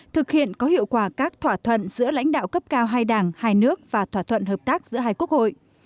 thực hiện có hiệu quả các thỏa thuận giữa lãnh đạo cấp cao hai đảng hai nước và thỏa thuận hợp tác giữa hai quốc hội